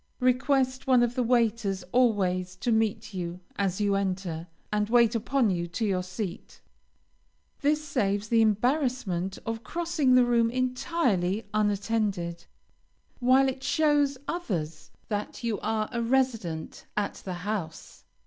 Request one of the waiters always to meet you as you enter, and wait upon you to your seat. This saves the embarrassment of crossing the room entirely unattended, while it shows others that you are a resident at the house.